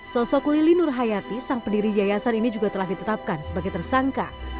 sosok lili nurhayati sang pendiri yayasan ini juga telah ditetapkan sebagai tersangka